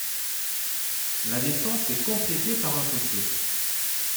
La défense est complétées par un fossé.